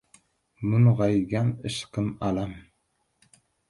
Mung‘aygan ishqim — alam